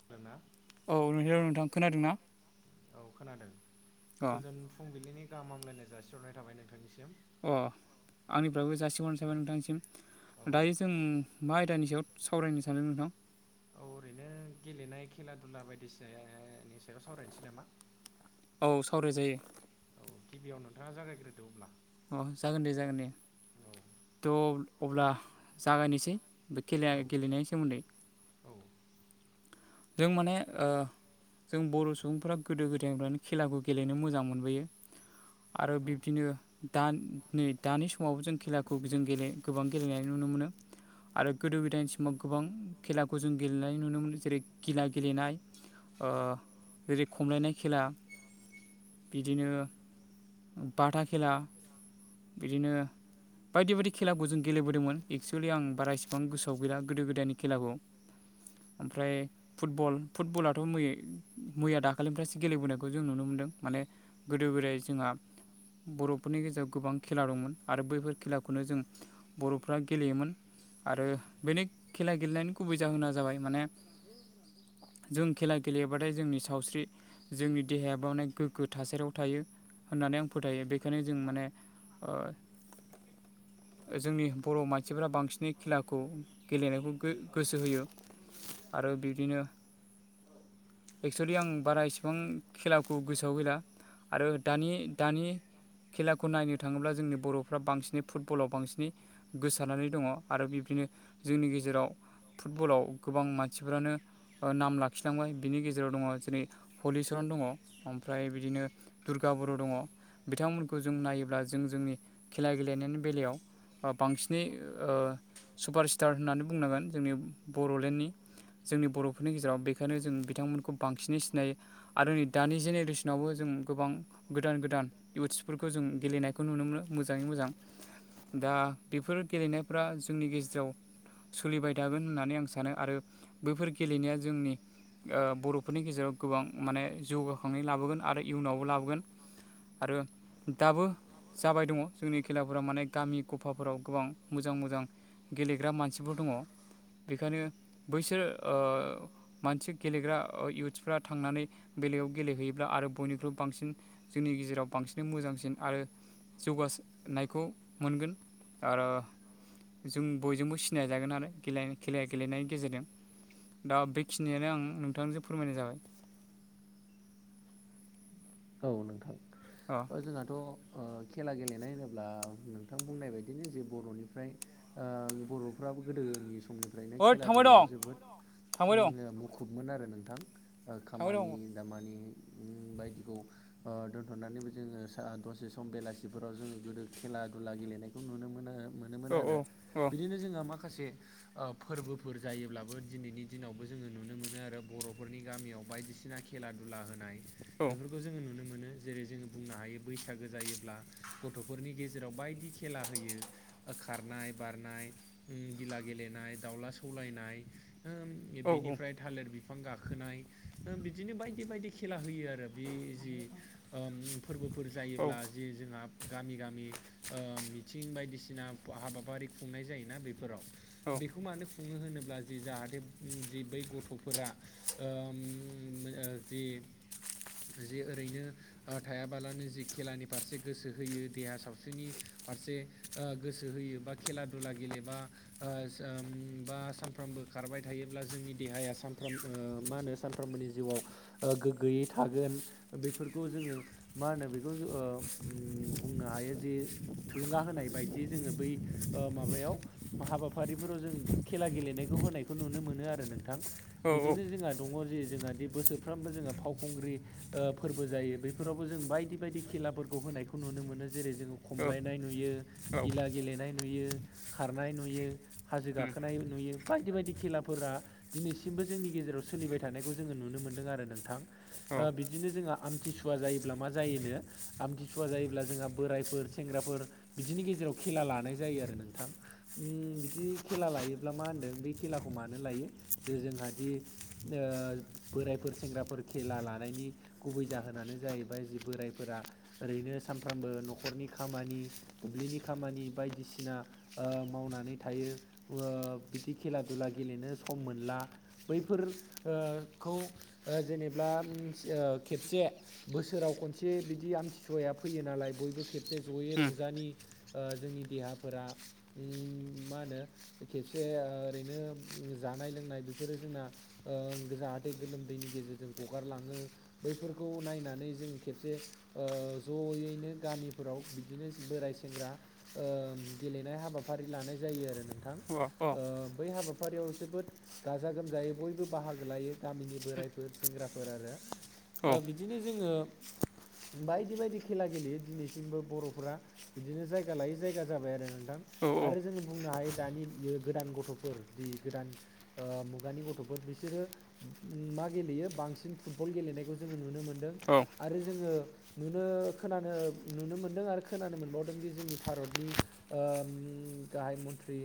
[unintelligible] औ नोंथ' नोंथां खोनादों ना खोनादों अ गोजोन फुंबिलिनि गाहाम हामलायनाय जासिहरनाय थाबाय नोंथांनिसिम अ आंनिफ्रायबो जासि हरनाय जाबाय नोंथांनिसिम दायो जों मा आयदानि सायाव सावरायनो सानदों नोंथां औ ओरैनो गेलेनाय खेला दुला बायदिसिनाानि सायाव सावरायनोसै नामा? औ सावराय जायो गिबियाव नोंथांङा जागायग्रोदो अब्ला अ जागोन दे जागोन दे थ' अब्ला जागायनोसै बे खेला गेलेनायनि सोमोन्दै औ जों माने ओ जों बर' सुबुंफोरा गोदो गोदायनिफ्रायानो खेलाखौ गेलेनो मोजां मोनबोयो आरो बिब्दिनो दान नै दानि समावबो जों खेलाखौ जों गेले गोबां गेलेनाय नुनो मोनो आरो गोदो गोदायनिसिमाव गोबां खेलाखौ जों गेलेनाय नुनो मोनो जेरै खिला गेलेनाय ओ जेरै खमलायनाय खेला बिदिनो बाथा खेला बिदिनो बायदि बायदि खेलाखौ जों गेलेबोदोंमोन एक्सुवेलि आं बारा इसिबां गोसोआव गैला गोदो गोदायनि खेलाखौ ओमफ्राय फुटबल फुटबलाथ' मैय मैया दाखालिनिफ्रायसो गेलेबोनायखौ जों नुनो मोनदों माने गोदो गोदाय जोंहा बर'फोरनि गेजेराव गोबां खेला दंमोन आरो बैफोर खेलाखौनो जों बर'फ्रा गेलेयोमोन आरो बेनि खेला गेलेनायनि गुबै जाहोना जाबाय माने जों खेला गेलेयोबाथाय जोंनि सावस्रि जोंनि देहायाबावनाय गोग्गो थासारियाव थायो होननानै आं फोथायो बेखायनो जों माने ओ [inaudible] जोंनि बर' मानसिफोरा बांसिनै खेलाखौ गेलेनायखौ गो गोसो होयो आरो बिब्दिनो एक्सुलि आं बारा इसिबां खेलाखौ गोसोआव गैला। आरो दानि दानि खेलाखौ नायनो थाङोब्ला जोंनि बर'फ्रा बांसिनै फुटबलाव बांसिनै गोसारानानै दङ आरो बिब्दिनो जोंनि गेजेराव फुटबलाव गोबां मानसिफोरानो ओ नाम लाखिलांबाय बिनि गेजेराव दङ जेरै हलिचरन दङ ओमफ्राय बिदिनो दुर्गा बर' दङ बिथांमोनखौ जों नायोब्ला जों जोंनि खेला गेलेनायनि बेलायाव बांसिनै ओ सुपारस्टार होननानै बुंनांगोन जोंनि बर'लेण्डनि जोंनि बर'फोरनि गेजेराव बेखायनो जों बिथांमोनखौ बांसिनै सिनायो आरो नै दानि जेनेरेसनावबो जों गोबां गोदान गोदान इउथ्सफोरखौ जों गेलेनायखौ नुनो मोनो मोजाङै मोजां दा बेफोर गेलेनायफ्रा जोंनि गेजेराव सोलिबाय थागोन होननानै आं सानो आरो बैफोर गेलेनाया जोंनि आ बर'फोरनि गेजेराव गोबां माने जौगाखांनाय लाबोगोन आरो इयुनावबो लाबोगोन आरो दाबो जाबाय दङ जोंनि खेलाफोरा माने गामि गफाफोराव गोबां मोजां मोजां गेलेग्रा मानसिफोर दङ बेखायनो बैसोर ओ मानसि गेलेग्रा इयुथ्सफ्रा थांनानै बेलेगायाव गेलेहैयोब्ला आरो बयनिख्रुइबो बांसिन जोंनि गेजेराव बांसिन मोजांसिन आरो जौगासो नायखौ मोनगोन आरो जों बयजोंबो सिनायजागोन आरो [unintelligible] खेला गेलेनायनि गेजेरजों दा बेखिनियानो आं नोंथांजों फोरमायनाय जाबाय औ नोंथां अ ओ जोंहाथ' ओ खेला गेलेनाय होनोब्ला नोंथां बुंनाय बायदिनो जे बर'निफ्राय ओ बर'फ्राबो गोदोनि समनि फ्रायनो ओइ खेला थांबाय दं दुलायाव जोबोद थांबाय दं ओम मुखुबमोन आरो नोंथां ओ थांबाय दं खामानि दामानि ओम बायदिखौ ओ दोन्थ'नानैबो जोङो सा दसे सम बेलासिफोराव जोङो गोदो खेला दुला गेलेनायखौ नुनो मोनो मोनोमोन औ आरो औ बिदिनो जोंहा माखासे ओ फोरबोफोर जायोब्लाबो दिनैनि दिनावबो जोङो नुनो मोनो आरो बर'फोरनि गामियाव बायदिसिना खे खेला दुला होनाय औ बो जोङो नुनो मोनो जेरै जोङो बुंनो हायो बैसागो जायोब्ला गथ'फोरनि गेजेराव बायदि खेला होयो ओ खारनाय बारनाय उम गिला गेलेनाय दाउला सौलायनाय होम औ बेनिफ्राय थालिर बिफां गाखोनाय बिदिनो बायदि बायदि खेला होयो आरो बे जि फोरबोफोर जायोब्ला जि जोंहा गामि गामि मिथिं बायदिसिना हाबाफारि खुंनाय जायोना बेफोराव। बेखौ मानो खुङो होनोब्ला जि जाहाथे जि बै गथ'फोरा ओम जि जे ओरैनो थायाबालानो जे खेलानि फारसे गोसो होयो देहा सावस्रिनि फारसे गोसो होयो बा खेला दुला गेलेबा बा सानफ्रामबो खारबाय थायोब्ला जोंनि देहाया सानफ्राम मा होनो सान फ्रोमबोनि जिउआव गोग्गोयै था हागोन बेफोरखौ जोङो मा होनो बेखौ बुंनो हायो जे थुलुंगा होनाय बायदि जोङो बै माबायाव हाबाफारिफोराव जों खेला गेलेनायखौ होनायखौ नुनो मोनो आरो नोंथां। बिदिनो जोंहा दङ जे जोंहा बोसोरफ्रोमबो जोंहा फावखुंग्रि फोरबो जायो बफोरावबो जों बायदि बायदि खेलाफोरखौ होनायखौ नुनो मोनो जेरै जोङो खमलायनाय नुयो। गिला औ गेलेनाय नुयो खारनाय नुयो। हाजो गाखोनाय नुयो बायदि बायदि खेलाफोरा दिनैसिमबो जोंनि गेजेराव सोलिबाय थानायखौ जोङो नुनो मोनदों आरो नोंथां। बिदिनो जोंहा आमथिसुवा जायोब्ला मा जायोनो आमथिसुवा जायोब्ला जोंहा बोरायफोर सेंग्राफोर बिदिनि गेजेराव खेला लानाय जायो आरो नोंथां। बिदि खेला लायोब्ला मा होन्दों बे खेलाखौ मानो लायो जे जोंहादि बोराइफोर सेंग्राफोर खेला लानायनि गुबै जाहोनानो जाहैबाय जि बोरायफोरा ओरैनो सानफ्रामबो न'खरनि खामानि दुब्लिनि खामानि बायदिसिना मावनानै थायो बिदि खेला दुला गेलेनो सम मोनला। बैफोरखौ जेनेब्ला खेबसे बोसोराव खनसे बिदि आमथिसुवाया फैयो नालाय बयबो खेबसे जयै रंजानि जोंनि देहाफोरा मा होनो खेबसे ओरैनो जानाय लोंनाय बेफोरो जोंना जाहाथे गोलोमदैनि गेजेरजों हगारलाङो बैफोरखौ नायनानै जों खेबसे ज'यैनो गामिफोराव बिदिनो बोराय सेंग्रा गेलेनाय हाबाफारि लानाय जायो आरो नोंथां। बै हाबाफारियाव जोबोद गाजा गोमजायै बयबो बाहागो लायो गामिनि बोरायफोर सेंग्राफोर आरो बिदिनो जोङो बायदि बायदि खेला गेलेयो दिनैसिमबो बर'फ्रा। बिदिनो जायगा लायै जायगा जाबाय आरो नोंथां औ औ आरो जोङो बुंनो हायो दानियो गोदान गथ'फोर दि गोदान मुगानि गथ'फोर बिसोरो मा गेलेयो बांसिन फुटबल गेलेनायखौ जोङो नुनो मोनदों। औ आरो जोङो नुनो खोनानो नुनो मोनदों आरो खोनानो मोनबावदों दि जोंनि भारतनि गाहाय मन्त्रि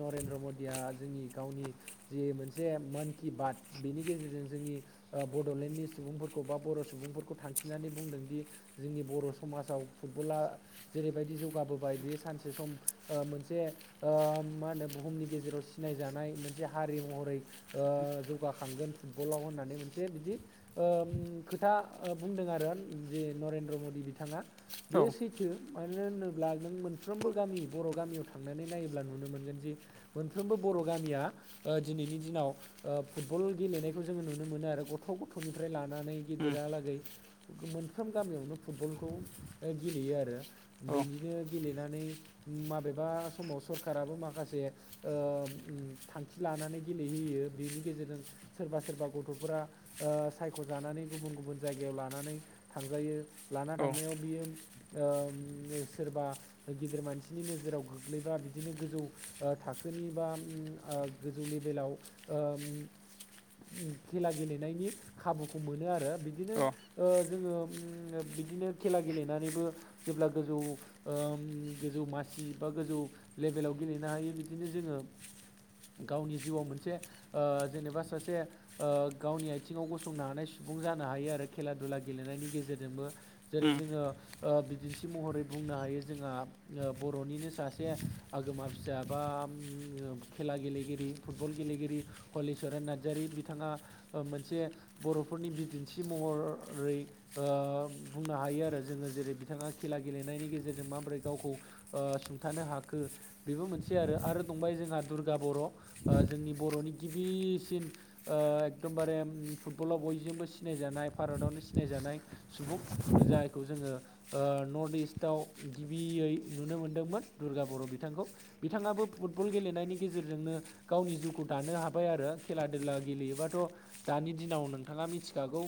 नरेन्द्र मदिया जोंनि गावनि जि मोनसे मान कि बात बेनि गेजेरजों जोंनि बड'लेण्डनि सुबुंफोरखौ बा बर' सुबुंफोरखौ थांखिनानै बुंदोंदि जोंनि बर' समाजाव फुटबला जेरैबायदि जौगाबोबाय बेयो सानसे सम ओ मोनसे मा होनो बुहुमनि गेजेराव सिनायजानाय मोनसे हारि महरै जौगाखांगोन फुटबलाव होननानै मोनसे बिदि खोथा बुंदों आरो जे नरेन्द्र मदि बिथाङा औ बेयो सैथ थो मानो होनोब्ला नों मोनफ्रोमबो गामि बर' गामियाव थांनानै नायोब्ला नुनो मोनगोन जि मोनफ्रोमबो बर' गामिया दिनैनि दिनाव फुटबल गेलेनाय बेखौ जोङो नुनो मोनो आरो गथ' गथ'निफ्राय लानानै उम गेदिरालागै मोनफ्राम गामियावनो फुटबलखौ गेलेयो आरो औ बिदिनो गेलेनानै माबेबा समाव सरखाराबो माखासे थांखि लानानै गेलेहोयो बेनि गेजेरजों सोरबा सोरबा गथ'फोरा सायख'जानानै गुबुन गुबुन जायगायाव लानानै थांजायो लाना औ थांनायाव बियो सोरबा गिदिर मानसिनि नोजोराव गोग्लैबा बिदिनो गोजौ थाखोनि बा गोजौ लेभेलाव ओम खेला गेलेनायनि खाबुखौ मोनो आरो बिदिनो औ जोङो बिदिनो खेला गेलेनानैबो जेब्ला गोजौ गोजौ मासि बा गोजौ लेभेलाव गेलेनो हायो बिदिनो जोङो गावनि जिउआव मोनसे जेनेबा सासे गावनि आथिङाव गसंनो हानाय सुबुं जानो हायो आरो खेला दुला गेलेनायनि गेजेरजोंबो जेरै उम जोङो बिदिन्थि महरै बुंनो हायो जोंहा बर'निनो सासे आगोमा फिसा बा उम खेला गेलेगिरि फुटबल गेलेगिरि हलिचरन नार्जारि बि बिथाङा मोनसे बर'फोरनि बिदिन्थि महरै बुंनो हायो आरो जोङो जेरै बिथाङा खेला गेलेनायनि गेजेरजों माबोरै गावखौ ओ सुंथानो हाखो बेबो मोनसे आरो आरो दंबाय जोंहा दुर्गा बर' जोंनि बर'नि गिबिसिन ओ एकदमबारे फुटबलाव बयजोंबो सिनायजानाय भारतावनो सिनायजानाय सुबुं जायखौ जोङो नर्थ इस्टआव गिबियै नुनो मोनदोंमोन दुर्गा बर' बिथांखौ बिथाङाबो फुटबल गेलेनायनि गेजेरजोंनो गावनि जिउखौ दानो हाबाय आरो खेला देला गेलेयोबाथ' दानि दिनाव नोंथाङा मिथिखागौ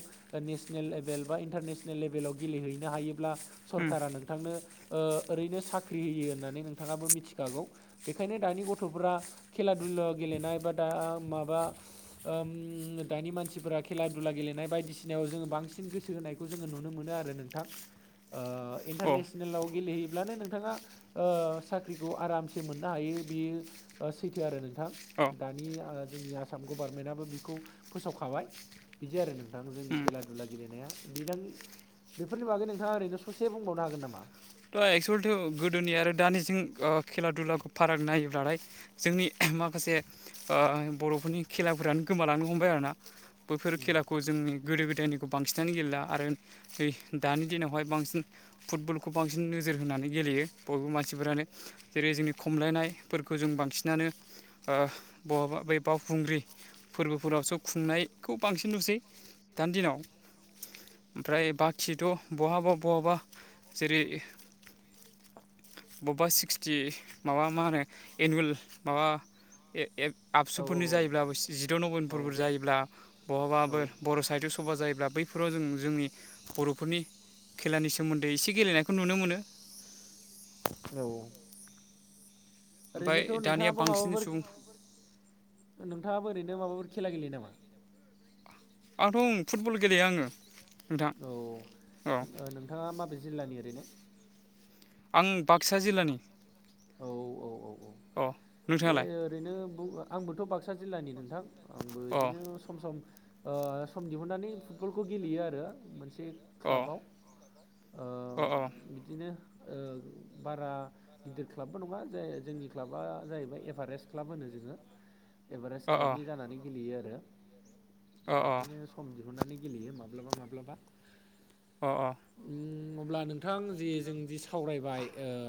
नेसनेल लेभेल बा इन्टारनेसनेल लेभेलाव गेलेहैनो हायोब्ला उम सरकारा नों नोंथांनो ओरैनो साख्रि होयो होननानै नोंथाङाबो मिथिखागौ बेखायनो दानि गथ'फोरा खेला दुलायाव गेलेनाय बा दा माबा दानि मानसिफोरा खेला दुला गेलेनाय बायदिसिनायाव जोङो बांसिन गोसो होनाय खौ जोङो नुनो मोनो आरो नोंथां ओ औ इनटारनेेस नेलाव गेलेहैयोब्लानो नोंथाङा साख्रिखौ आरामसे मोननो हायो बियो सैथो आरो नोंथां औ दानि जोंनि आसाम गभारनमेन्टआबो बेखौ फोसावखाबाय बिदि आरो नोंथां जोंनि उम खेला दुला गेलेनाया बिदांनि बेफोरनि बागै नोंथाङा ओरैनो ससे बुंबावनो हागोन नामा थ' एक्सुवलिथ' गोदोनि आरो दानिजों ओ खेला दुलाखौ फाराग नायोब्लाथाय जोंनि माखासे ओ बर'फोरनि खेलाफोरानो गोमालांनो हमबाय आरोना बैफोर खेलाखौ जोंनि गोदो गोदायनि खौ बांसिनानो गेलेला आरो दानि दिनावहाय बांसिन फुटबल खौ बांसिन नोजोर होनानै गेलेयो बयबो मानसिफोरानो जेरै जोंनि खमलायनायफोरखौ जों बांसिनानो ओ बहाबा बे बावखुंग्रि फोरबोफोरावसो खुंनायखौ बांसिन नुसै दानि दिनाव ओमफ्राय बाखिथ' बहाबा बहाबा जेरै बबेबा सिक्सटि माबा मा होनो एनुवेल माबा ए ए औ आबसुफोरनि जायोब्लाबो जिद' औ नभेम्बरफोर जायोब्ला औ बहाबाबो बर' साहित्य सभा जायोब्ला बै बेफोराव जों जोंनि बर'फोरनि खेलानि सोमोन्दै एसे गेलेनायखौ नुनो मोनो औ। ओमफ्राय ओरैनोथ' दानिया नोंथाङाबो बांसिन माबाफोर सुबुं नोंथाङाबो ओरैनो माबाफोर खेला गेलेयो नामा? आंथ' ओं फुटबल गेलेयो आङो औ नोंथां औ। नोंथाङा माबे जिल्लानि ओरैनो? आं बाक्सा जिल्लानि। औ औ औ औ अ दे। नोंथाङालाय ओरैनो बो आंबोथ' बाक्सा जिल्लानि नोंथां। आंबो अ बिदिनो सम सम ओ सम दिहुननानै फुटबलखौ गेलेयो आरो। मोनसे अ क्लाबाव ओ अ बिदिनो ओ बारा गिदिर क्लाबबो नङा जे जोंनि क्लाबा जाहैबाय एभारेस्ट क्लाब होनो जोङो एभारेस्ट अ क्लाबनि जानानै गेलेयो आरो। बिदिनो खम दिहुननानै गेलेयो माब्लाबा माब्लाबा। अ अ। उम अब्ला नोंथां जि जों जि सावरायबाय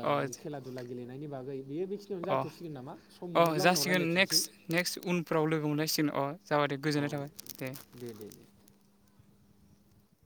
अ खेला दुला गेलेनायनि बागै बेयो बेखिनियावनो अ जाथ'सिगोन नामा सम अ मोनोब्ला उनाव जासिगोन रायलायफिनसै नेक्स्ट नेक्स्ट उनफ्राव लोगो मोनलायसिगोन अ जाबाय दे अ गोजोननाय थाबाय दे। दे दे दे।